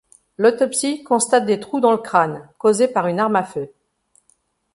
L'autopsie constate des trous dans le crâne causés par une arme à feu.